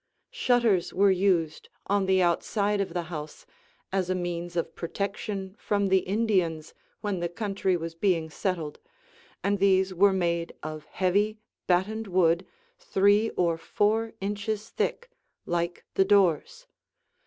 Shutters were used on the outside of the house as a means of protection from the Indians, when the country was being settled, and these were made of heavy, battened wood three or four inches thick, like the doors.